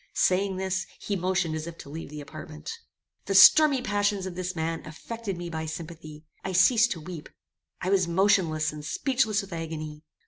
Saying this, he motioned as if to leave the apartment. The stormy passions of this man affected me by sympathy. I ceased to weep. I was motionless and speechless with agony.